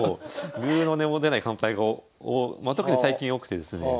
ぐうの音も出ない完敗が特に最近多くてですね。